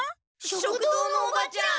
食堂のおばちゃん！